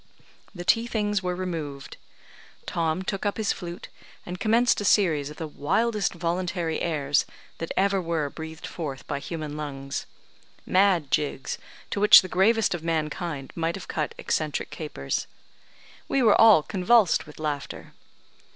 The tea things were removed. Tom took up his flute, and commenced a series of the wildest voluntary airs that ever were breathed forth by human lungs. Mad jigs, to which the gravest of mankind might have cut eccentric capers. We were all convulsed with laughter.